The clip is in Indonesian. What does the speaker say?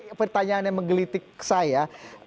ini pertanyaan yang menggelitik saya